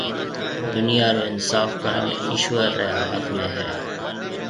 دُنيا رو اِنصاف ڪرڻ ايشوَر ريَ هاٿ ۾ هيَ۔